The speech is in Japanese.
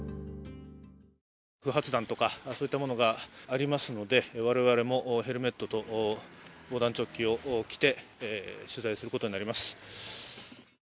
不発弾とかそういったものがありますので、我々もヘルメットと防弾チョッキを着て取材することになります。